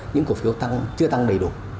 những cổ phiếu chưa tăng đầy đủ